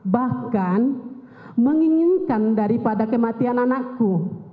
bahkan menginginkan daripada kematian anakku